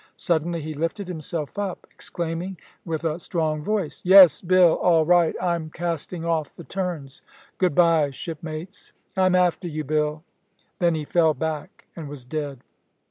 Suddenly he lifted himself up, exclaiming with a strong voice, "Yes, Bill, all right; I'm casting off the turns. Good bye, shipmates. I'm after you, Bill." Then he fell back, and was dead.